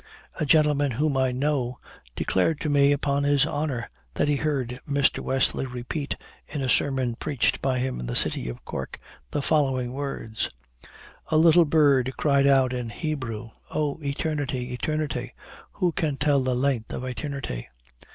A gentleman whom I know declared to me, upon his honor, that he heard Mr. Wesley repeat, in a sermon preached by him in the city of Cork, the following words: 'A little bird cried out in Hebrew, O Eternity! Eternity! who can tell the length of Eternity?'